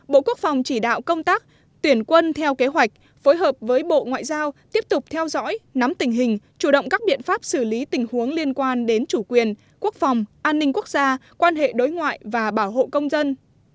bộ quốc phòng chỉ đạo công tác tuyển quân theo kế hoạch phối hợp với bộ ngoại giao tiếp tục theo dõi nắm tình hình chủ động các biện pháp xử lý tình huống liên quan đến chủ quyền quốc phòng an ninh quốc gia quan hệ đối ngoại và bảo hộ công dân